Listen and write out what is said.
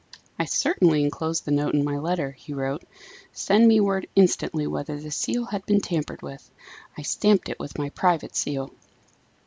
"I certainly enclosed the note in my letter," he wrote. "Send me word instantly whether the seal had been tampered with. I stamped it with my private seal."